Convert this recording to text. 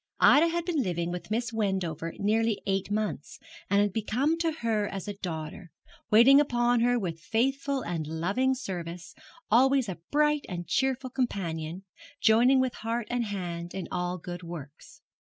Ida had been living with Miss Wendover nearly eight months, and had become to her as a daughter, waiting upon her with faithful and loving service, always a bright and cheerful companion, joining with heart and hand in all good works.